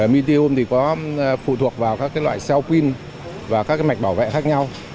lithium thì có phụ thuộc vào các loại cell pin và các mạch bảo vệ khác nhau